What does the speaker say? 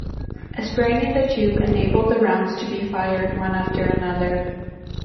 A spring in the tube enabled the rounds to be fired one after another.